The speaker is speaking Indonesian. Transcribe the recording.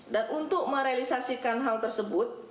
dan untuk merealisasikan hal tersebut